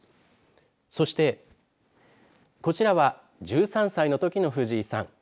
そしてこちらは１３歳のときの藤井さん